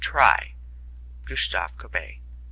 Try! GUSTAV KOBBÉ.